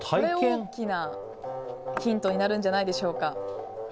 大きなヒントになるんじゃないでしょうか。